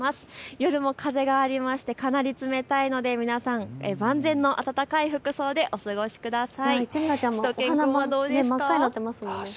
夜も風がありましてかなり冷たいので皆さん万全の暖かい服装でお過ごしください。